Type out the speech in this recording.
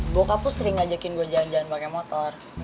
bokap tuh sering ngajakin gue jangan jangan pake motor